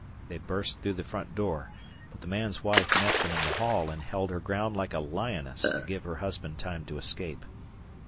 They burst through the front door, but the man's wife met them in the hall and held her ground like a lioness to give her husband time to escape.